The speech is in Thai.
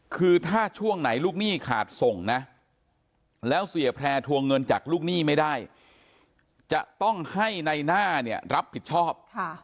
คือถ้าช่วงไหนลูกหนี้ขาดส่งนะแล้วเสียแพร่ทวงเงินจากลูกหนี้ไม่ได้จะต้องให้ในหน้าเนี่ยรับผิดชอบ